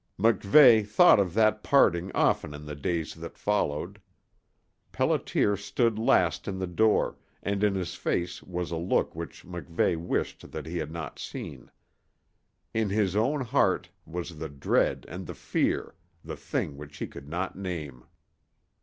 MacVeigh thought of that parting often in the days that followed. Pelliter stood last in the door, and in his face was a look which MacVeigh wished that he had not seen. In his own heart was the dread and the fear, the thing which he could not name.